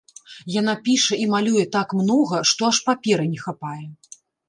Яна піша і малюе так многа, што аж паперы не хапае.